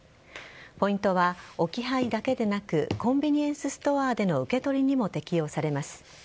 ポイントは置き配だけでなくコンビニエンスストアでの受け取りにも適用されます。